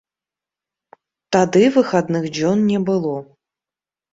Тады выхадных дзён не было.